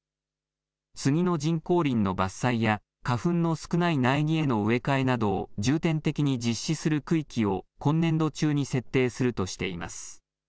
スギの人工林の伐採や花粉の少ない苗木への植え替えなどを重点的に実施する区域を今年度中に設定するとしています。